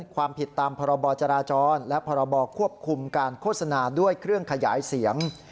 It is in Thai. ความผิดตามพรบจราจรและพรบควบคุมการโฆษณาด้วยเครื่องขยายเสียง